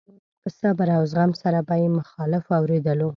په صبر او زغم سره به يې مخالف اورېدلو.